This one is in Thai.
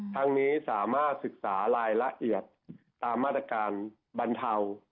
ทั้งนี้สามารถศึกษารายละเอียดตามมาตรการบรรเทา